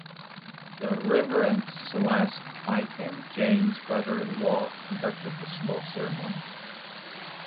The Reverend Silas Aiken, Jane's brother-in-law, conducted the small ceremony.